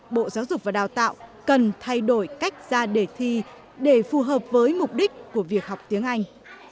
bộ giáo dục và đào tạo cần thay đổi cách ra đề thi để phù hợp với mục đích của việc học tiếng anh